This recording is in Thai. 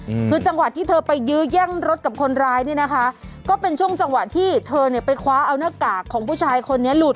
อืมคือจังหวะที่เธอไปยื้อแย่งรถกับคนร้ายเนี่ยนะคะก็เป็นช่วงจังหวะที่เธอเนี้ยไปคว้าเอาหน้ากากของผู้ชายคนนี้หลุด